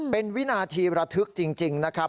เป็นวินาทีระทึกจริงนะครับ